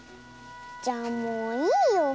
じゃあもういいよ。